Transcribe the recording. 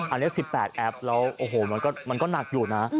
อันนี้๑๘แอปแล้วโอ้โหมันก็หนักอยู่นะ